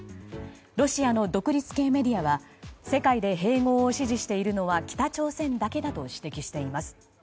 ロシアの独立系メディアは世界で併合を支持しているのは北朝鮮だけだと指摘しています。